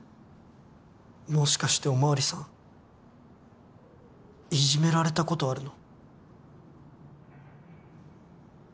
もしかしてお巡りさんいじめられたことあるの？